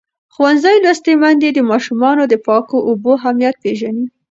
ښوونځې لوستې میندې د ماشومانو د پاکو اوبو اهمیت پېژني.